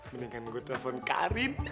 mendingan gua telepon karin